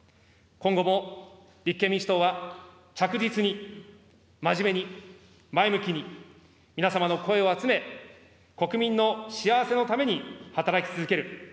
今後も立憲民主党は着実に、まじめに、前向きに、皆様の声を集め、国民の幸せのために働き続ける。